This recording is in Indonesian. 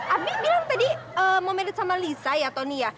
abi bilang tadi mau merit sama lisa ya tony ya